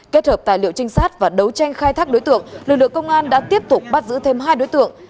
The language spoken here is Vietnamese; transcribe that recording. kết hợp tài liệu trinh sát và đấu tranh khai thác đối tượng lực lượng công an đã tiếp tục bắt giữ thêm hai đối tượng